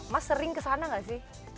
mas sering kesana nggak sih